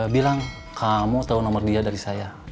bilang kamu tahu nomor dia dari saya